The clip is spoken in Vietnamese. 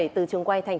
từ trường quay tp hcm